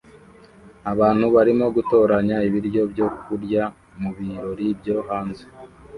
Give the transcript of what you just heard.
Abantu barimo gutoranya ibiryo byo kurya mubirori byo hanze